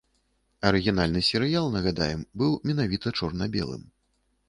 Арыгінальны серыял, нагадаем, быў менавіта чорна-белым.